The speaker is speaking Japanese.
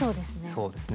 そうですね。